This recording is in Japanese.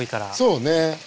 そうね。